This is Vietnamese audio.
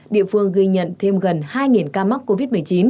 địa phương ghi nhận thêm gần hai ca mắc covid một mươi chín